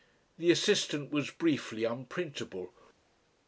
The assistant was briefly unprintable.